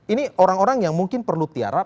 ini orang orang yang mungkin perlu tiarap